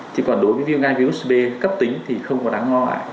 chỉ còn đối với viêm gan virus b cấp tính thì không có đáng lo